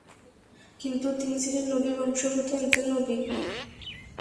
কিন্তু তিনি ছিলেন নবী বংশোদ্ভূত একজন নবী।